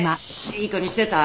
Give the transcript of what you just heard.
いい子にしてた？